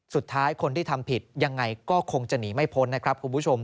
สุดท้ายคนที่ทำผิดยังไงก็คงจะหนีไม่พ้นนะครับคุณผู้ชม